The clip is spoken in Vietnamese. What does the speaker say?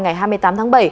ngày hai mươi tám tháng bảy